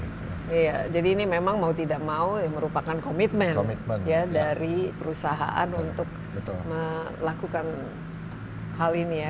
iya jadi ini memang mau tidak mau merupakan komitmen ya dari perusahaan untuk melakukan hal ini ya